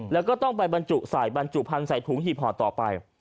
แล้วก็ต้องไปบรรจุใส่บรรจุพันธุ์ใส่ถุงหีบห่อต่อไป